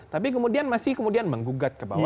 tapi kemudian masih kemudian menggugat ke bawah